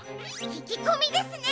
ききこみですね！